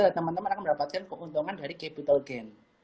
dan teman teman akan mendapatkan keuntungan dari capital gain